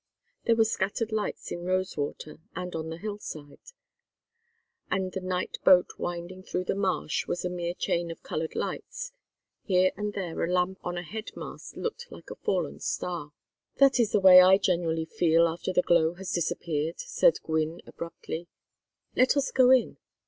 There were scattered lights in Rosewater and on the hillsides; and the night boat winding through the marsh was a mere chain of colored lights; here and there a lamp on a head mast looked like a fallen star. "That is the way I generally feel after the glow has disappeared," said Gwynne, abruptly. "Let us go in."